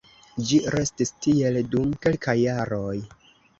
Ĝi restis tiel dum kelkaj jaroj.